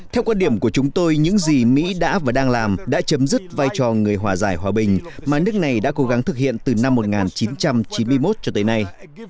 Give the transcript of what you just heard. theo quan điểm của chúng tôi những gì mỹ đã và đang làm đã chấm dứt vai trò người hòa giải hòa bình mà nước này đã cố gắng thực hiện từ năm một nghìn chín trăm chín mươi một cho tới nay